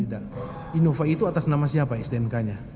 tidak inova itu atas nama siapa stnk nya